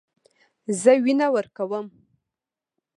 زه وینه ورکوم.